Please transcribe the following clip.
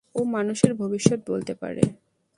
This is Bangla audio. ও মানুষের ভবিষ্যত বলতে পারে।